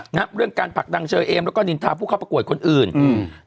นะฮะเรื่องการผลักดันเชอเอมแล้วก็นินทาผู้เข้าประกวดคนอื่นอืม